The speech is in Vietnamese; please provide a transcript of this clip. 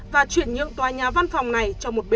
và chuyển nhượng tòa nhà văn phòng này